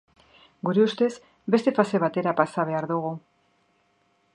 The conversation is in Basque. Gure ustez, beste fase batera pasa behar dugu.